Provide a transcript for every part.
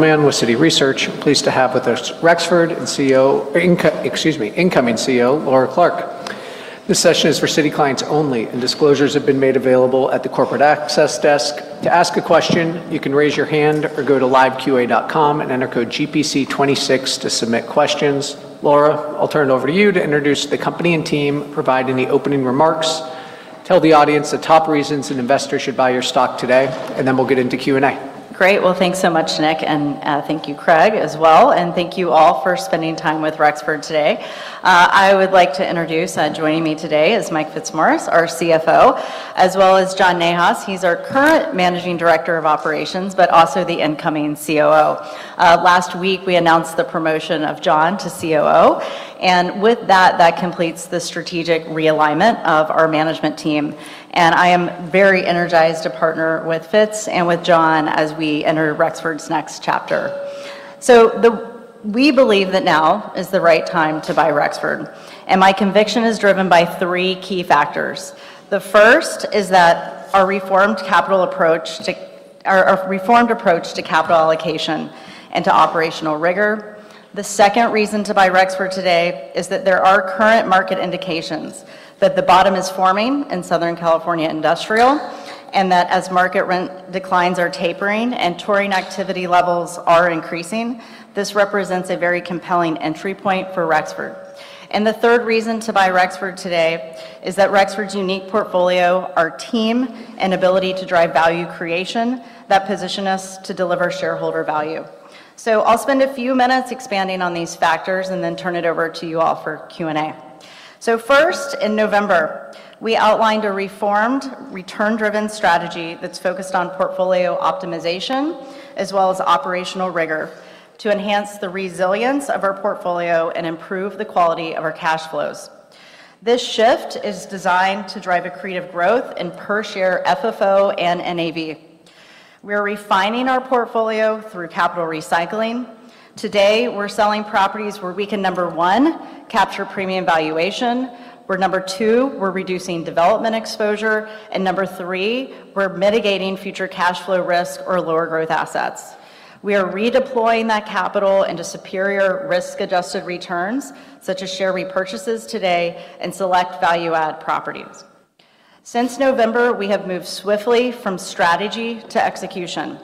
Man with Citi Research. Pleased to have with us Rexford and CEO, incoming CEO, Laura Clark. This session is for Citi clients only, and disclosures have been made available at the corporate access desk. To ask a question, you can raise your hand or go to liveqa.com and enter code GPC26 to submit questions. Laura, I'll turn it over to you to introduce the company and team, providing the opening remarks. Tell the audience the top reasons an investor should buy your stock today, and then we'll get into Q&A. Great. Well, thanks so much, Nick, and thank you, Craig, as well. Thank you all for spending time with Rexford today. I would like to introduce, joining me today is Michael Fitzmaurice, our CFO, as well as John Nahas. He's our current Managing Director of Operations, but also the incoming COO. Last week, we announced the promotion of John to COO. With that completes the strategic realignment of our management team. I am very energized to partner with Fitz and with John as we enter Rexford's next chapter. We believe that now is the right time to buy Rexford, and my conviction is driven by three key factors. The first is that our reformed approach to capital allocation and to operational rigor. The second reason to buy Rexford today is that there are current market indications that the bottom is forming in Southern California industrial, that as market rent declines are tapering and touring activity levels are increasing, this represents a very compelling entry point for Rexford. The third reason to buy Rexford today is that Rexford's unique portfolio, our team, and ability to drive value creation that position us to deliver shareholder value. I'll spend a few minutes expanding on these factors and then turn it over to you all for Q&A. First, in November, we outlined a reformed, return-driven strategy that's focused on portfolio optimization as well as operational rigor to enhance the resilience of our portfolio and improve the quality of our cash flows. This shift is designed to drive accretive growth in per share FFO and NAV. We're refining our portfolio through capital recycling. Today, we're selling properties where we can, number one, capture premium valuation, where number two, we're reducing development exposure, and number three, we're mitigating future cash flow risk or lower growth assets. We are redeploying that capital into superior risk-adjusted returns, such as share repurchases today and select value add properties. Since November, we have moved swiftly from strategy to execution.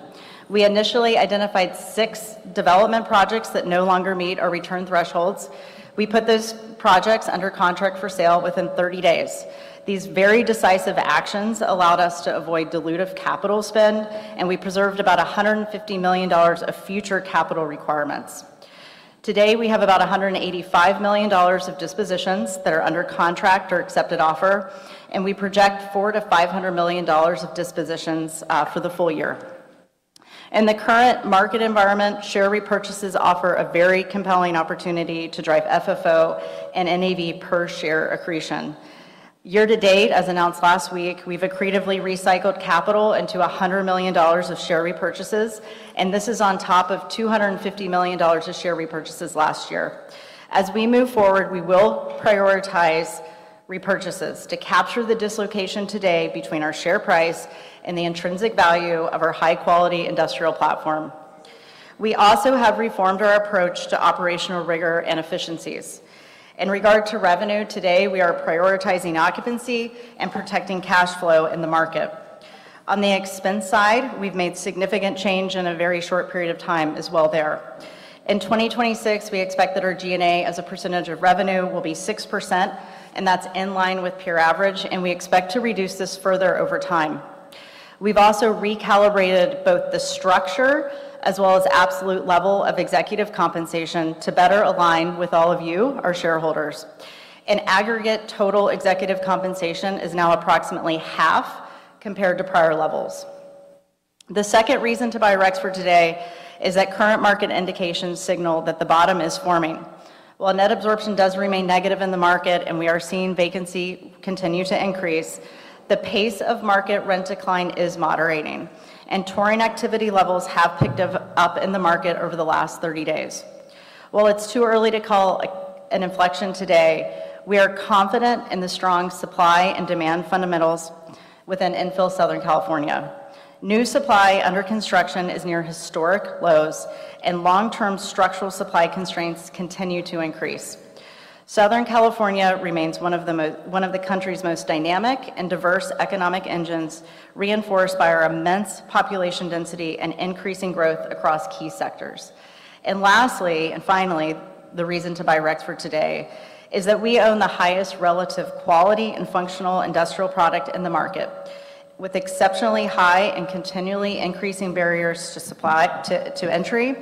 We initially identified six development projects that no longer meet our return thresholds. We put those projects under contract for sale within 30 days. These very decisive actions allowed us to avoid dilutive capital spend, and we preserved about $150 million of future capital requirements. Today, we have about $185 million of dispositions that are under contract or accepted offer, and we project $400 million-$500 million of dispositions for the full year. In the current market environment, share repurchases offer a very compelling opportunity to drive FFO and NAV per share accretion. Year to date, as announced last week, we've accretively recycled capital into $100 million of share repurchases. This is on top of $250 million of share repurchases last year. As we move forward, we will prioritize repurchases to capture the dislocation today between our share price and the intrinsic value of our high-quality industrial platform. We also have reformed our approach to operational rigor and efficiencies. In regard to revenue, today, we are prioritizing occupancy and protecting cash flow in the market. On the expense side, we've made significant change in a very short period of time as well there. In 2026, we expect that our G&A as a percentage of revenue will be 6%, that's in line with peer average, we expect to reduce this further over time. We've also recalibrated both the structure as well as absolute level of executive compensation to better align with all of you, our shareholders. In aggregate, total executive compensation is now approximately half compared to prior levels. The second reason to buy Rexford today is that current market indications signal that the bottom is forming. While net absorption does remain negative in the market and we are seeing vacancy continue to increase, the pace of market rent decline is moderating, touring activity levels have picked up in the market over the last 30 days. While it's too early to call an inflection today, we are confident in the strong supply and demand fundamentals within Infill Southern California. New supply under construction is near historic lows, and long-term structural supply constraints continue to increase. Southern California remains one of the country's most dynamic and diverse economic engines, reinforced by our immense population density and increasing growth across key sectors. Lastly, and finally, the reason to buy Rexford today is that we own the highest relative quality and functional industrial product in the market, with exceptionally high and continually increasing barriers to entry,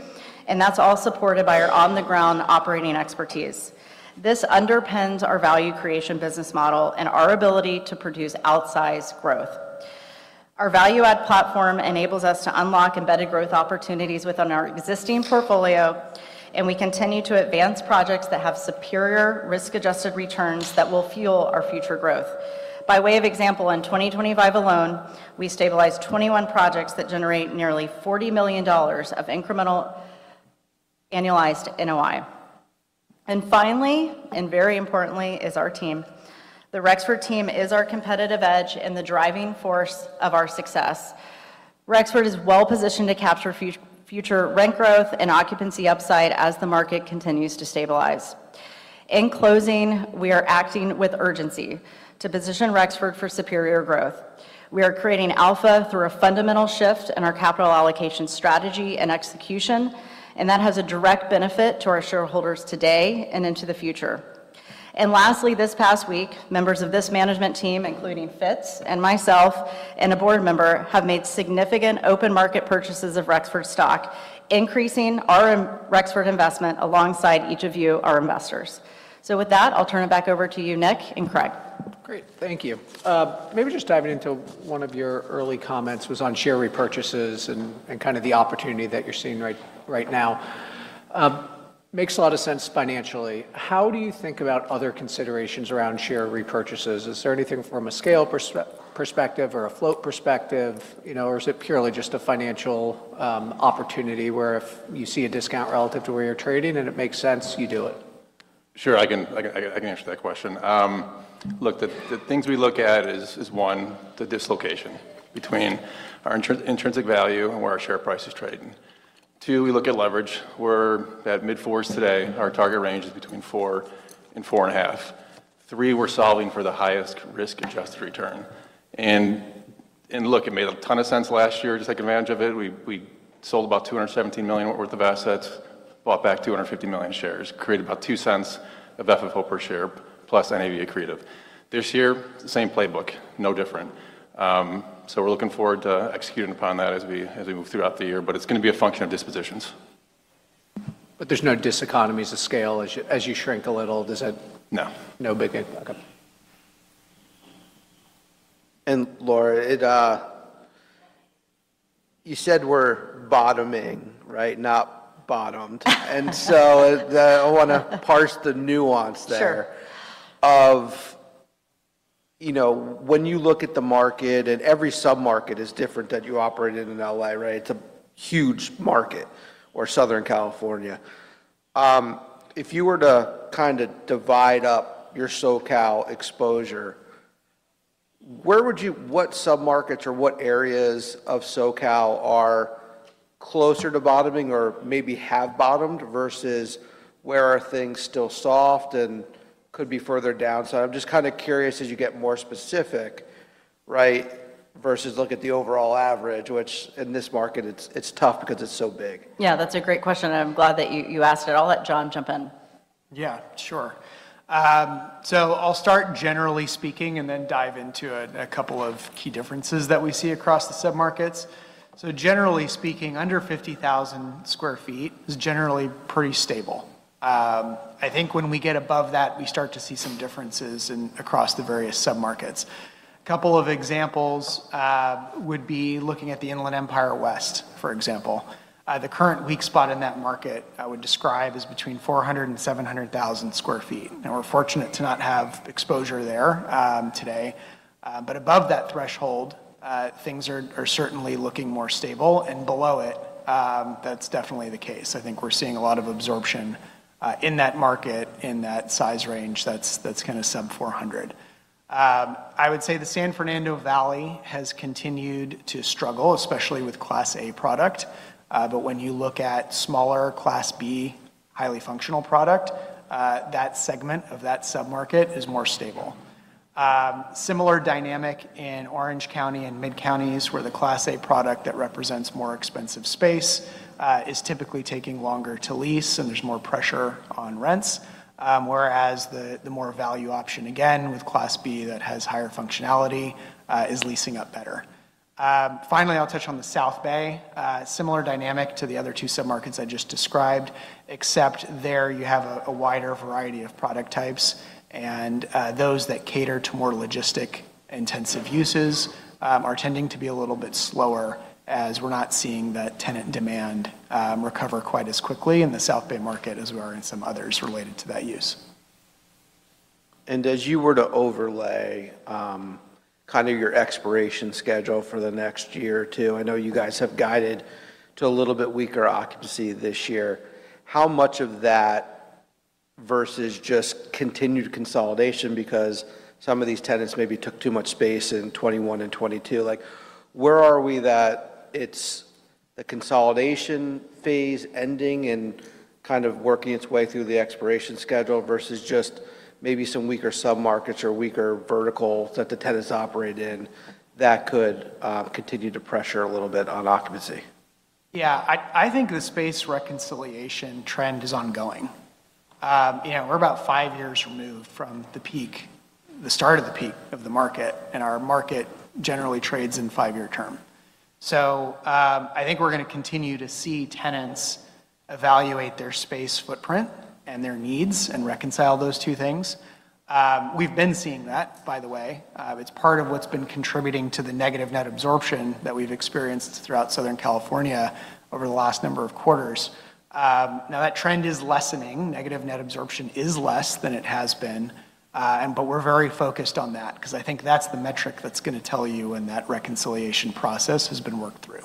and that's all supported by our on-the-ground operating expertise. This underpins our value creation business model and our ability to produce outsized growth. Our value add platform enables us to unlock embedded growth opportunities within our existing portfolio, and we continue to advance projects that have superior risk-adjusted returns that will fuel our future growth. By way of example, in 2025 alone, we stabilized 21 projects that generate nearly $40 million of incremental annualized NOI. Finally, and very importantly, is our team. The Rexford team is our competitive edge and the driving force of our success. Rexford is well positioned to capture future rent growth and occupancy upside as the market continues to stabilize. In closing, we are acting with urgency to position Rexford for superior growth. We are creating alpha through a fundamental shift in our capital allocation strategy and execution, and that has a direct benefit to our shareholders today and into the future. Lastly, this past week, members of this management team, including Fitz and myself and a board member, have made significant open market purchases of Rexford stock, increasing our Rexford investment alongside each of you, our investors. With that, I'll turn it back over to you, Nick and Craig. Great. Thank you. Maybe just diving into one of your early comments was on share repurchases and kind of the opportunity that you're seeing right now. Makes a lot of sense financially. How do you think about other considerations around share repurchases? Is there anything from a scale perspective or a float perspective, you know, or is it purely just a financial opportunity where if you see a discount relative to where you're trading and it makes sense, you do it? Sure. I can answer that question. Look, the things we look at is one, the dislocation between our intrinsic value and where our share price is trading. Two, we look at leverage. We're at mid-4s today. Our target range is between four and four and a half. Three, we're solving for the highest risk-adjusted return. Look, it made a ton of sense last year to take advantage of it. We sold about $217 million worth of assets, bought back 250 million shares, created about $0.02 of FFO per share plus NAV accretive. This year, same playbook, no different. We're looking forward to executing upon that as we move throughout the year, but it's going to be a function of dispositions. There's no diseconomies of scale as you shrink a little. No. No biggie. Okay. Laura, it, you said we're bottoming, right? Not bottomed. So, I wanna parse the nuance there. Sure. Of, you know, when you look at the market, and every sub-market is different that you operate in L.A., right? It's a huge market, or Southern California. If you were to kinda divide up your SoCal exposure, what sub-markets or what areas of SoCal are closer to bottoming or maybe have bottomed versus where are things still soft and could be further down? I'm just kinda curious as you get more specific, right? Versus look at the overall average, which in this market it's tough because it's so big. Yeah, that's a great question, and I'm glad that you asked it. I'll let John jump in. Yeah, sure. I'll start generally speaking and then dive into a couple of key differences that we see across the sub-markets. Generally speaking, under 50,000 sq ft is generally pretty stable. I think when we get above that, we start to see some differences across the various sub-markets. A couple of examples would be looking at the Inland Empire West, for example. The current weak spot in that market, I would describe, is between 400,000-700,000 sq ft. Now we're fortunate to not have exposure there today. Above that threshold, things are certainly looking more stable, and below it, that's definitely the case. I think we're seeing a lot of absorption in that market, in that size range that's kinda sub 400. I would say the San Fernando Valley has continued to struggle, especially with Class A product. When you look at smaller Class B, highly functional product, that segment of that sub-market is more stable. Similar dynamic in Orange County and Mid-Counties, where the Class A product that represents more expensive space, is typically taking longer to lease, and there's more pressure on rents. The more value option, again, with Class B that has higher functionality, is leasing up better. Finally, I'll touch on the South Bay. Similar dynamic to the other two sub-markets I just described, except there you have a wider variety of product types. Those that cater to more logistics-intensive uses are tending to be a little bit slower as we're not seeing the tenant demand recover quite as quickly in the South Bay market as we are in some others related to that use. As you were to overlay, kind of your expiration schedule for the next year or two, I know you guys have guided to a little bit weaker occupancy this year. How much of that versus just continued consolidation because some of these tenants maybe took too much space in 2021 and 2022? Like, where are we that it's the consolidation phase ending and kind of working its way through the expiration schedule versus just maybe some weaker sub-markets or weaker verticals that the tenants operate in that could continue to pressure a little bit on occupancy? Yeah. I think the space reconciliation trend is ongoing. you know, we're about five years removed from the peak, the start of the peak of the market, and our market generally trades in five-year term. I think we're gonna continue to see tenants evaluate their space footprint and their needs and reconcile those two things. We've been seeing that, by the way. It's part of what's been contributing to the negative net absorption that we've experienced throughout Southern California over the last number of quarters. Now that trend is lessening. Negative net absorption is less than it has been, but we're very focused on that because I think that's the metric that's gonna tell you when that reconciliation process has been worked through.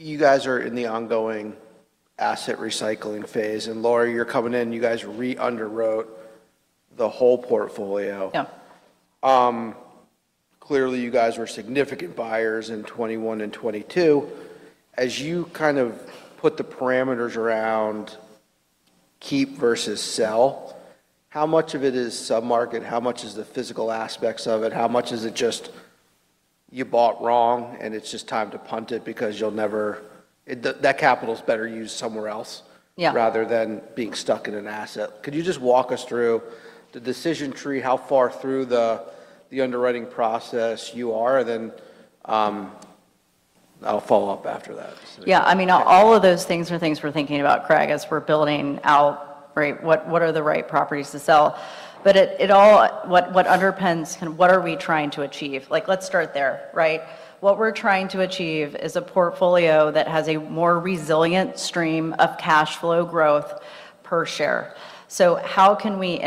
You guys are in the ongoing asset recycling phase. Laura, you're coming in, you guys re-underwrote the whole portfolio. Yeah. Clearly you guys were significant buyers in 2021 and 2022. As you kind of put the parameters around keep versus sell, how much of it is sub-market? How much is the physical aspects of it? How much is it just you bought wrong, and it's just time to punt it because that capital's better used somewhere else. Yeah. Rather than being stuck in an asset. Could you just walk us through the decision tree, how far through the underwriting process you are? I'll follow up after that. Yeah. I mean, all of those things are things we're thinking about, Craig, as we're building out, right, what are the right properties to sell. What underpins kind of what are we trying to achieve? Like, let's start there, right? What we're trying to achieve is a portfolio that has a more resilient stream of cash flow growth per share. How can we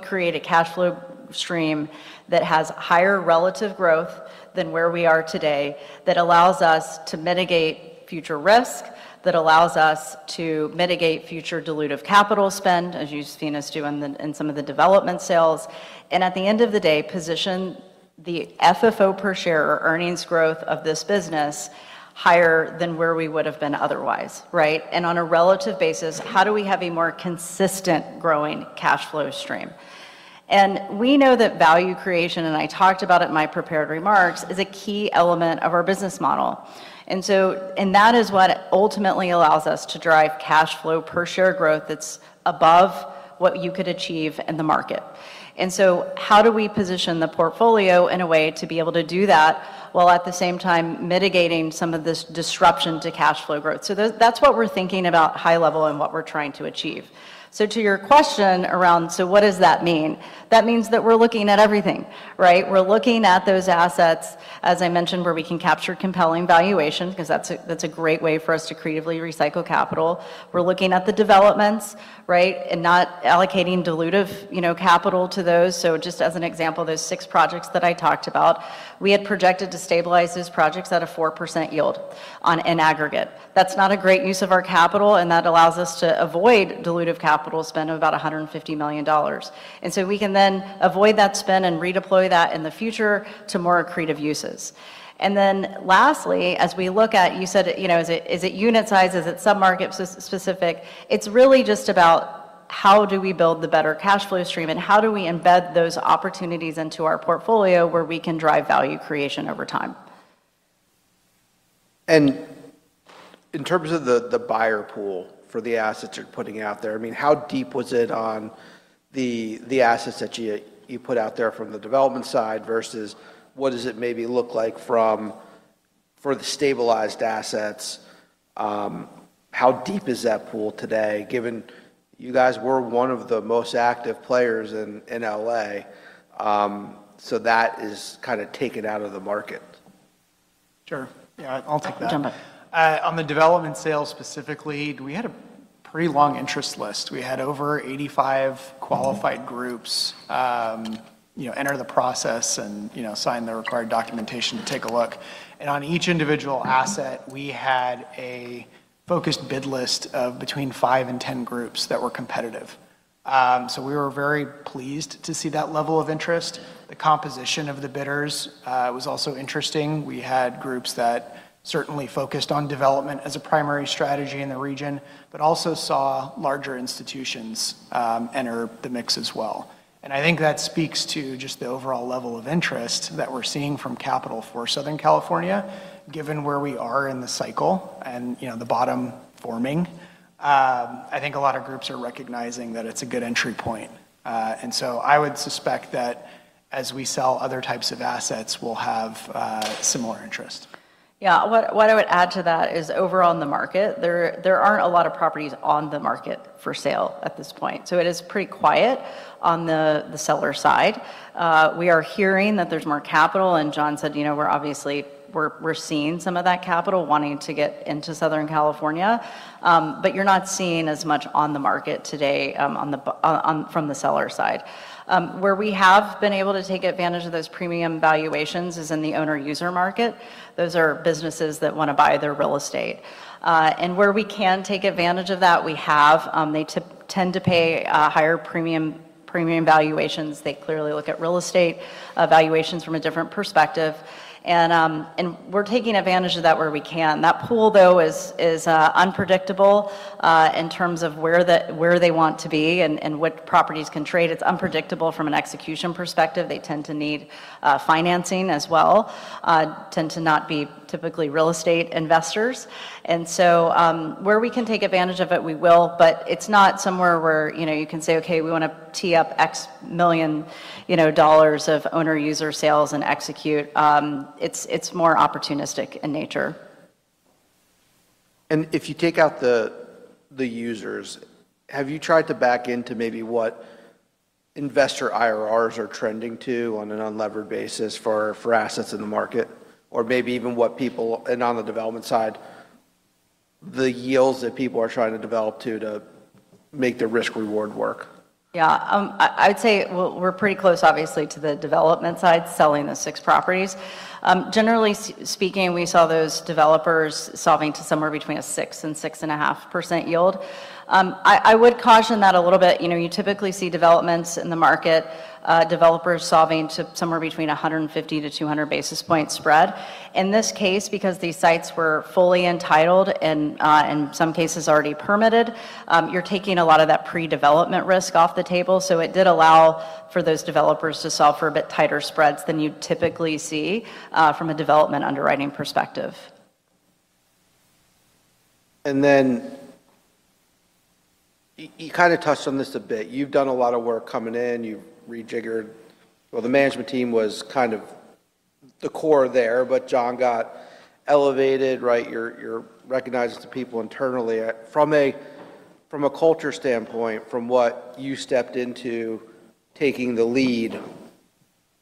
create a cash flow stream that has higher relative growth than where we are today, that allows us to mitigate future risk, that allows us to mitigate future dilutive capital spend, as you've seen us do in some of the development sales, and at the end of the day, position the FFO per share or earnings growth of this business higher than where we would have been otherwise, right? On a relative basis, how do we have a more consistent growing cash flow stream? We know that value creation, and I talked about it in my prepared remarks, is a key element of our business model. That is what ultimately allows us to drive cash flow per share growth that's above what you could achieve in the market. How do we position the portfolio in a way to be able to do that, while at the same time mitigating some of this disruption to cash flow growth? That's what we're thinking about high level and what we're trying to achieve. To your question around, what does that mean? That means that we're looking at everything, right? We're looking at those assets, as I mentioned, where we can capture compelling valuation because that's a, that's a great way for us to creatively recycle capital. We're looking at the developments, right, and not allocating dilutive, you know, capital to those. Just as an example, those six projects that I talked about, we had projected to stabilize those projects at a 4% yield on an aggregate. That's not a great use of our capital, and that allows us to avoid dilutive capital spend of about $150 million. We can then avoid that spend and redeploy that in the future to more accretive uses. Lastly, as we look at, you said, you know, is it, is it unit size? Is it sub-market specific? It's really just about how do we build the better cash flow stream, and how do we embed those opportunities into our portfolio where we can drive value creation over time. In terms of the buyer pool for the assets you're putting out there, I mean, how deep was it on the assets that you put out there from the development side versus what does it maybe look like for the stabilized assets? How deep is that pool today given you guys were one of the most active players in L.A., that is kinda taken out of the market? Sure. Yeah, I'll take that. Jump in. On the development sales specifically, we had a pretty long interest list. We had over 85 qualified groups, you know, enter the process and, you know, sign the required documentation to take a look. On each individual asset, we had a focused bid list of between five and 10 groups that were competitive. We were very pleased to see that level of interest. The composition of the bidders was also interesting. We had groups that certainly focused on development as a primary strategy in the region but also saw larger institutions, enter the mix as well. I think that speaks to just the overall level of interest that we're seeing from capital for Southern California, given where we are in the cycle and, you know, the bottom forming. I think a lot of groups are recognizing that it's a good entry point. I would suspect that as we sell other types of assets, we'll have similar interest. Yeah. What I would add to that is overall in the market, there aren't a lot of properties on the market for sale at this point. It is pretty quiet on the seller side. We are hearing that there's more capital, and John said, you know, we're seeing some of that capital wanting to get into Southern California. You're not seeing as much on the market today on from the seller side. Where we have been able to take advantage of those premium valuations is in the owner-user market. Those are businesses that wanna buy their real estate. Where we can take advantage of that, we have. They tend to pay higher premium valuations. They clearly look at real estate valuations from a different perspective. We're taking advantage of that where we can. That pool, though, is unpredictable in terms of where they want to be and what properties can trade. It's unpredictable from an execution perspective. They tend to need financing as well, tend to not be typically real estate investors. So, where we can take advantage of it, we will. It's not somewhere where, you know, you can say, "Okay, we wanna tee up X million dollars, you know, dollars of owner-user sales and execute." It's more opportunistic in nature. If you take out the users, have you tried to back into maybe what investor IRR are trending to on an unlevered basis for assets in the market? Or maybe even and on the development side, the yields that people are trying to develop too to make the risk reward work? I'd say we're pretty close obviously to the development side, selling the six properties. Generally speaking, we saw those developers solving to somewhere between a 6%-6.5% yield. I would caution that a little bit. You know, you typically see developments in the market, developers solving to somewhere between 150 to 200 basis point spread. In this case, because these sites were fully entitled and, in some cases already permitted, you're taking a lot of that pre-development risk off the table. It did allow for those developers to solve for a bit tighter spreads than you'd typically see, from a development underwriting perspective. You kinda touched on this a bit. You've done a lot of work coming in. Well, the management team was kind of the core there, but John got elevated, right? You're recognized to people internally. From a culture standpoint, from what you stepped into taking the lead,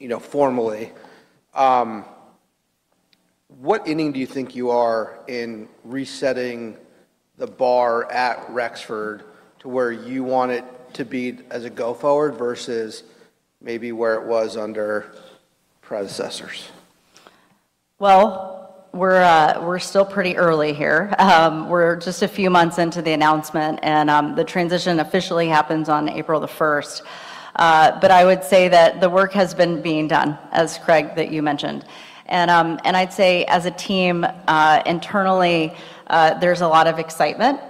you know, formally, what inning do you think you are in resetting the bar at Rexford to where you want it to be as a go forward versus maybe where it was under predecessors? Well, we're still pretty early here. We're just a few months into the announcement, and the transition officially happens on April the 1st. I would say that the work has been being done, as Craig, that you mentioned. I'd say as a team, internally, there's a lot of excitement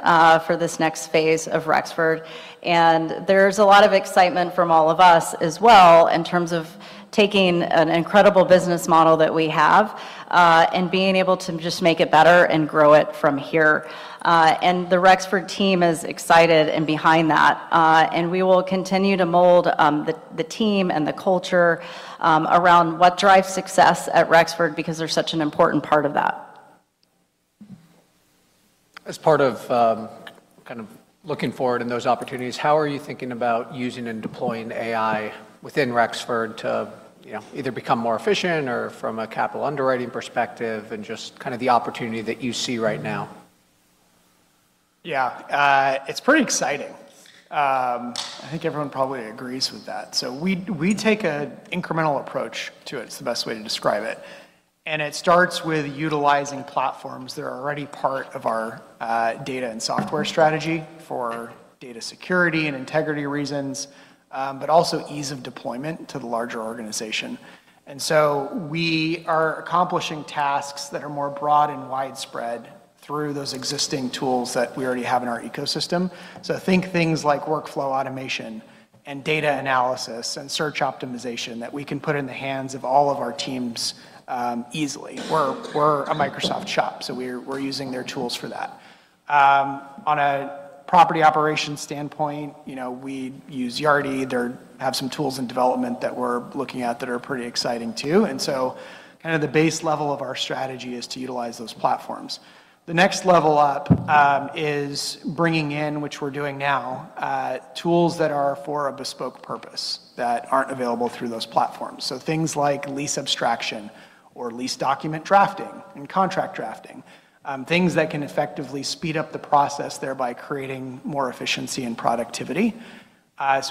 for this next phase of Rexford. There's a lot of excitement from all of us as well in terms of taking an incredible business model that we have, and being able to just make it better and grow it from here. The Rexford team is excited and behind that. We will continue to mold the team and the culture around what drives success at Rexford because they're such an important part of that. As part of, kind of looking forward in those opportunities, how are you thinking about using and deploying AI within Rexford to, you know, either become more efficient or from a capital underwriting perspective and just kind of the opportunity that you see right now? Yeah. It's pretty exciting. I think everyone probably agrees with that. We take an incremental approach to it. It's the best way to describe it. It starts with utilizing platforms that are already part of our data and software strategy for data security and integrity reasons, but also ease of deployment to the larger organization. We are accomplishing tasks that are more broad and widespread through those existing tools that we already have in our ecosystem. Think things like workflow automation and data analysis and search optimization that we can put in the hands of all of our teams, easily. We're a Microsoft shop, we're using their tools for that. On a property operations standpoint, you know, we use Yardi. They have some tools in development that we're looking at that are pretty exciting too. Kind of the base level of our strategy is to utilize those platforms. The next level up, is bringing in, which we're doing now, tools that are for a bespoke purpose that aren't available through those platforms. Things like lease abstraction or lease document drafting and contract drafting, things that can effectively speed up the process, thereby creating more efficiency and productivity.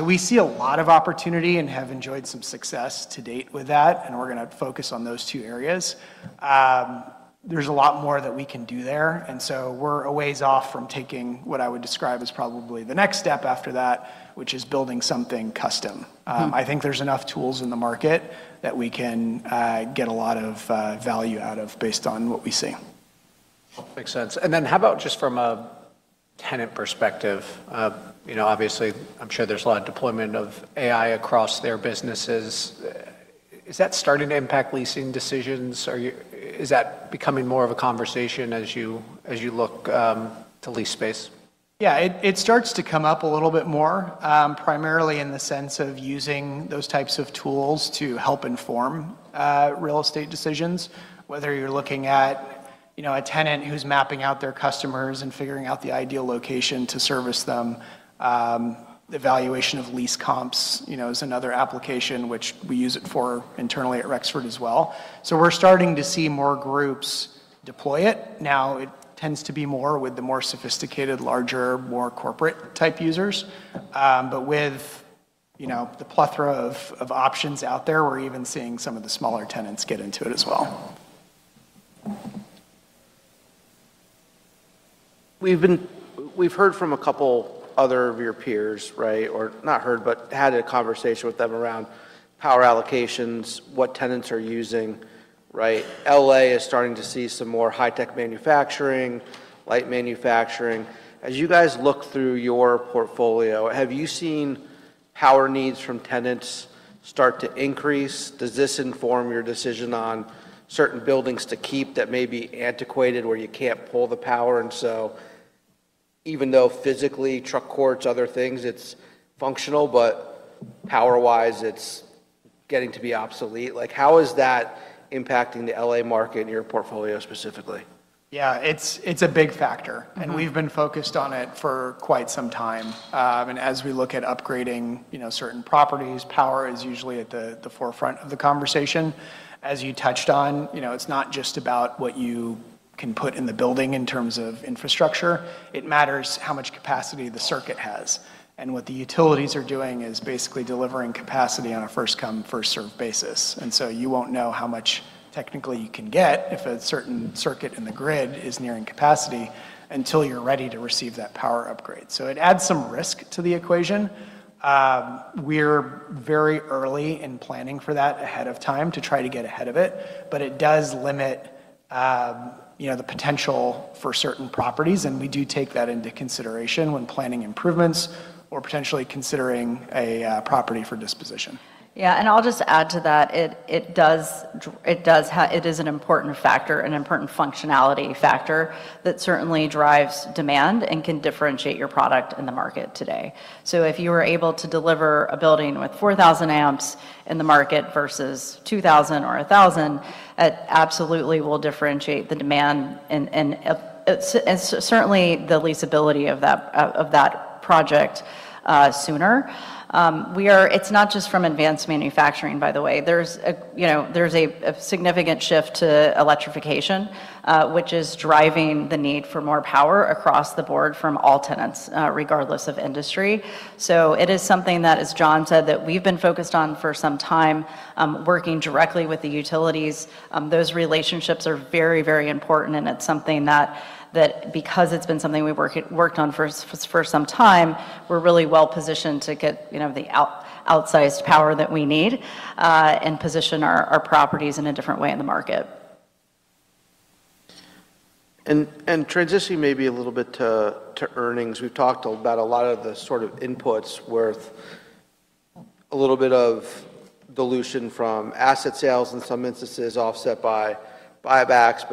We see a lot of opportunity and have enjoyed some success to date with that, and we're gonna focus on those two areas. There's a lot more that we can do there. We're a ways off from taking what I would describe as probably the next step after that, which is building something custom. I think there's enough tools in the market that we can get a lot of value out of based on what we see. Makes sense. How about just from a tenant perspective? you know, obviously, I'm sure there's a lot of deployment of AI across their businesses. Is that starting to impact leasing decisions? Is that becoming more of a conversation as you, as you look to lease space? Yeah. It, it starts to come up a little bit more, primarily in the sense of using those types of tools to help inform real estate decisions, whether you're looking at, you know, a tenant who's mapping out their customers and figuring out the ideal location to service them. The valuation of lease comps, you know, is another application which we use it for internally at Rexford as well. We're starting to see more groups deploy it. Now, it tends to be more with the more sophisticated, larger, more corporate type users. With, you know, the plethora of options out there, we're even seeing some of the smaller tenants get into it as well. We've heard from a couple other of your peers, right? Not heard, but had a conversation with them around power allocations, what tenants are using, right? L.A. is starting to see some more high-tech manufacturing, light manufacturing. As you guys look through your portfolio, have you seen power needs from tenants start to increase? Does this inform your decision on certain buildings to keep that may be antiquated where you can't pull the power? Even though physically truck courts, other things, it's functional, but power-wise, it's getting to be obsolete. Like, how is that impacting the L.A. market and your portfolio specifically? Yeah. It's a big factor. We've been focused on it for quite some time. As we look at upgrading, you know, certain properties, power is usually at the forefront of the conversation. As you touched on, you know, it's not just about what you can put in the building in terms of infrastructure. It matters how much capacity the circuit has. What the utilities are doing is basically delivering capacity on a first-come, first-served basis. So you won't know how much technically you can get if a certain circuit in the grid is nearing capacity until you're ready to receive that power upgrade. It adds some risk to the equation. We're very early in planning for that ahead of time to try to get ahead of it. It does limit, you know, the potential for certain properties, and we do take that into consideration when planning improvements or potentially considering a property for disposition. I'll just add to that. It is an important factor, an important functionality factor that certainly drives demand and can differentiate your product in the market today. If you were able to deliver a building with 4,000 amps in the market versus 2,000 or 1,000, it absolutely will differentiate the demand and certainly the leasability of that project sooner. We are It's not just from advanced manufacturing, by the way. There's a, you know, there's a significant shift to electrification, which is driving the need for more power across the board from all tenants, regardless of industry. It is something that, as John said, that we've been focused on for some time, working directly with the utilities. Those relationships are very important, and it's something that because it's been something we worked on for some time, we're really well-positioned to get, you know, the outsized power that we need, and position our properties in a different way in the market. Transitioning maybe a little bit to earnings. We've talked about a lot of the sort of inputs with a little bit of dilution from asset sales in some instances offset by buybacks,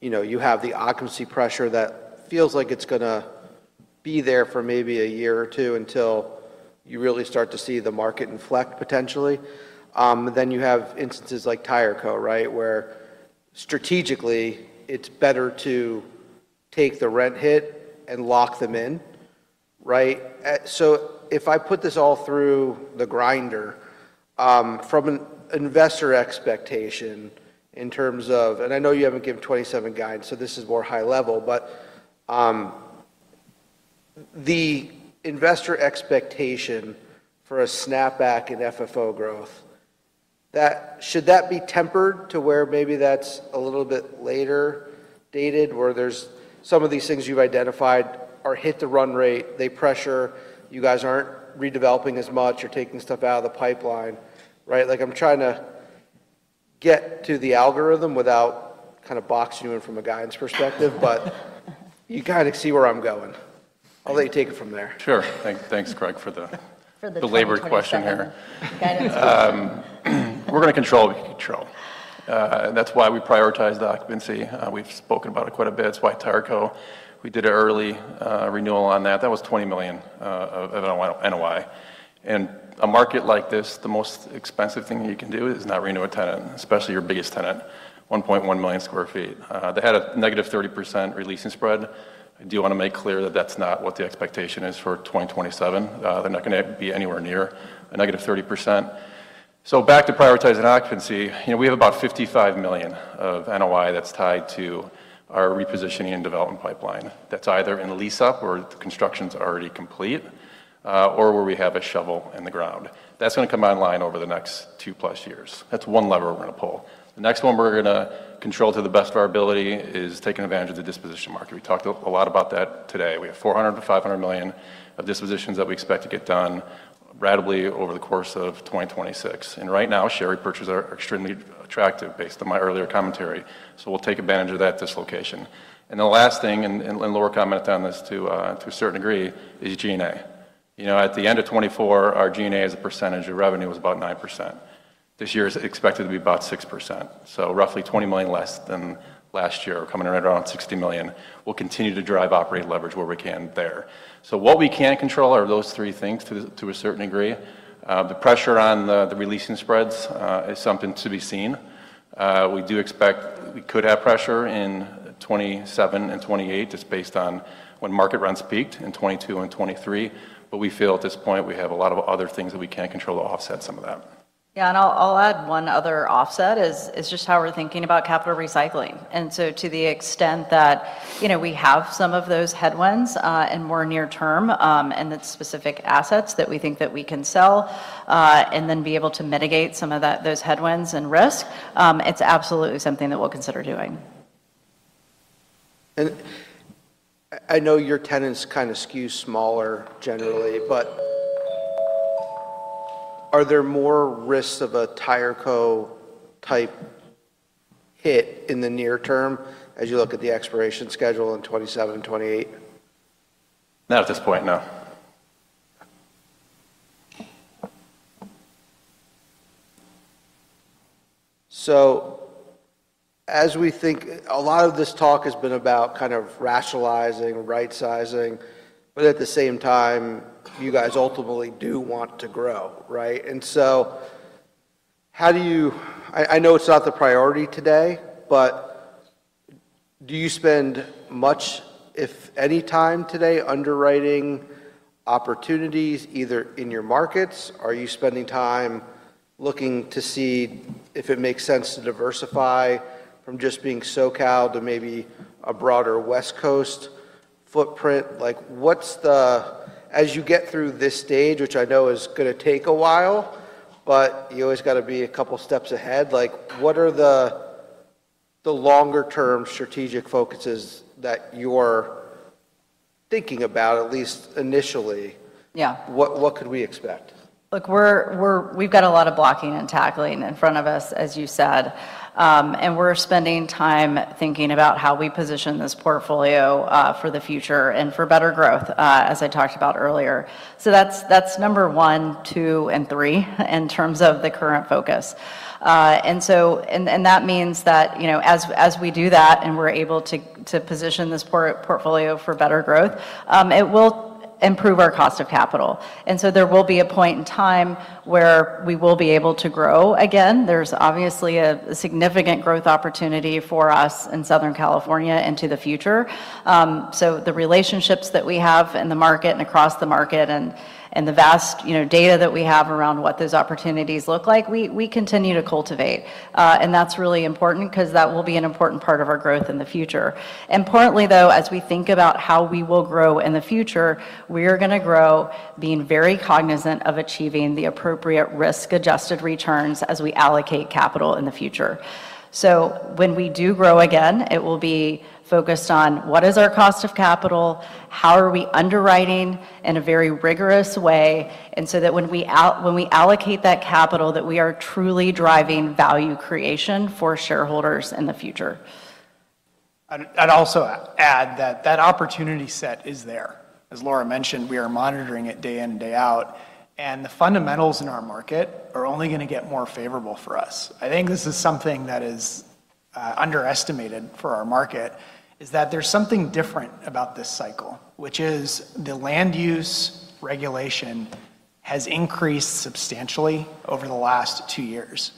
you know, you have the occupancy pressure that feels like it's gonna be there for maybe a year or two until you really start to see the market inflect potentially. You have instances like Tireco, right? Where strategically it's better to take the rent hit and lock them in, right? If I put this all through the grinder from an investor expectation in terms of, I know you haven't given 2027 guidance, so this is more high level. The investor expectation for a snapback in FFO growth, should that be tempered to where maybe that's a little bit later dated, where there's some of these things you've identified are hit to run rate, they pressure, you guys aren't redeveloping as much? You're taking stuff out of the pipeline, right? Like, I'm trying to get to the algorithm without kind of boxing you in from a guidance perspective. You kinda see where I'm going. I'll let you take it from there. Sure. Thanks, Craig for the belabored question here. Guidance. We're gonna control what we can control. That's why we prioritize the occupancy. We've spoken about it quite a bit. It's why Tireco, we did an early renewal on that. That was $20 million of NOI. A market like this, the most expensive thing you can do is not renew a tenant, especially your biggest tenant, 1.1 million square feet. They had a negative 30% releasing spread. I do wanna make clear that that's not what the expectation is for 2027. They're not gonna be anywhere near a negative 30%. Back to prioritizing occupancy. You know, we have about $55 million of NOI that's tied to our repositioning and development pipeline that's either in lease up, or the construction's already complete, or where we have a shovel in the ground. That's gonna come online over the next two plus years. That's one lever we're gonna pull. The next one we're gonna control to the best of our ability is taking advantage of the disposition market. We talked a lot about that today. We have $400 million-$500 million of dispositions that we expect to get done ratably over the course of 2026. Right now, share repurchases are extremely attractive based on my earlier commentary. We'll take advantage of that dislocation. The last thing, and Laura commented on this to a certain degree, is G&A. You know, at the end of 2024, our G&A as a percentage of revenue was about 9%. This year it's expected to be about 6%, so roughly $20 million less than last year. We're coming in right around $60 million. We'll continue to drive operating leverage where we can there. What we can control are those three things to a certain degree. The pressure on the releasing spreads is something to be seen. We do expect we could have pressure in 2027 and 2028 just based on when market rents peaked in 2022 and 2023. We feel at this point we have a lot of other things that we can control to offset some of that. Yeah. I'll add one other offset is just how we're thinking about capital recycling. To the extent that, you know, we have some of those headwinds, and more near term, and the specific assets that we think that we can sell, and then be able to mitigate some of that, those headwinds and risk, it's absolutely something that we'll consider doing. I know your tenants kind of skew smaller generally, but are there more risks of a Tireco-type hit in the near term as you look at the expiration schedule in 2027 and 2028? Not at this point, no. As we think. A lot of this talk has been about kind of rationalizing, right-sizing, but at the same time, you guys ultimately do want to grow, right? How do you, I know it's not the priority today, but do you spend much, if any time today underwriting opportunities either in your markets? Are you spending time looking to see if it makes sense to diversify from just being SoCal to maybe a broader West Coast footprint? As you get through this stage, which I know is gonna take a while, but you always gotta be a couple steps ahead. What are the longer term strategic focuses that you're thinking about, at least initially? Yeah. What could we expect? Look, we've got a lot of blocking and tackling in front of us, as you said. We're spending time thinking about how we position this portfolio for the future and for better growth, as I talked about earlier. That's, that's number one, two, and three in terms of the current focus. That means that, you know, as we do that and we're able to position this portfolio for better growth, it will improve our cost of capital. There will be a point in time where we will be able to grow again. There's obviously a significant growth opportunity for us in Southern California into the future. The relationships that we have in the market and across the market and the vast, you know, data that we have around what those opportunities look like, we continue to cultivate. That's really important 'cause that will be an important part of our growth in the future. Importantly, though, as we think about how we will grow in the future, we are gonna grow being very cognizant of achieving the appropriate risk-adjusted returns as we allocate capital in the future. When we do grow again, it will be focused on what is our cost of capital, how are we underwriting in a very rigorous way, and so that when we allocate that capital, that we are truly driving value creation for shareholders in the future. I'd also add that that opportunity set is there. As Laura mentioned, we are monitoring it day in and day out, the fundamentals in our market are only gonna get more favorable for us. I think this is something that is underestimated for our market, is that there's something different about this cycle, which is the land use regulation has increased substantially over the last two years.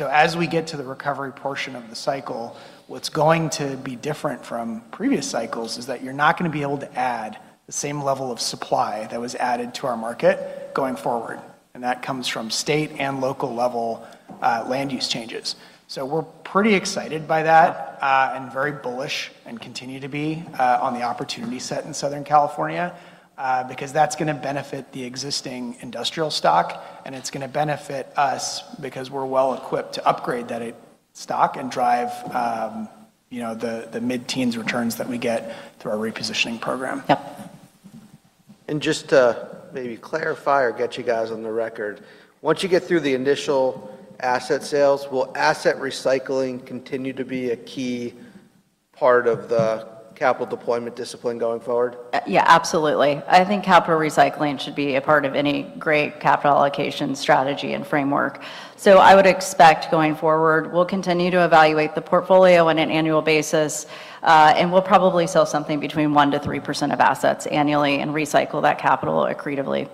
As we get to the recovery portion of the cycle, what's going to be different from previous cycles is that you're not gonna be able to add the same level of supply that was added to our market going forward, that comes from state and local level land use changes. We're pretty excited by that, and very bullish and continue to be on the opportunity set in Southern California, because that's gonna benefit the existing industrial stock and it's gonna benefit us because we're well equipped to upgrade that stock and drive, you know, the mid-teens returns that we get through our repositioning program. Yep. Just to maybe clarify or get you guys on the record, once you get through the initial asset sales, will asset recycling continue to be a key part of the capital deployment discipline going forward? Yeah, absolutely. I think capital recycling should be a part of any great capital allocation strategy and framework. I would expect going forward, we'll continue to evaluate the portfolio on an annual basis, and we'll probably sell something between 1%-3% of assets annually and recycle that capital accretively.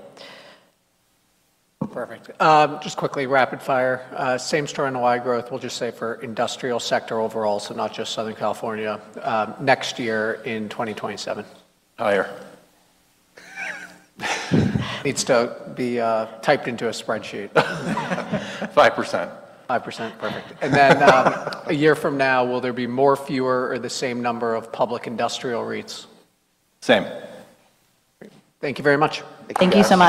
Perfect. just quickly, rapid fire. same story on YoY growth, we'll just say for industrial sector overall, so not just Southern California, next year in 2027. Higher. Needs to be typed into a spreadsheet. 5%. 5%? Perfect. Then, a year from now, will there be more, fewer, or the same number of public industrial REITs? Same. Thank you very much. Thank you so much.